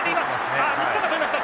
あっ日本が捕りました。